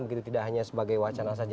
begitu tidak hanya sebagai wacana saja